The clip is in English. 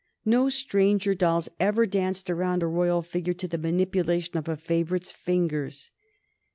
No stranger dolls ever danced around a royal figure to the manipulation of a favorite's fingers.